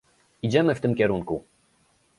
Idziemy w tym kierunku